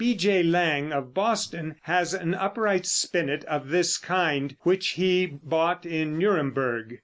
B.J. Lang, of Boston, has an upright spinet of this kind, which he bought in Nuremburg.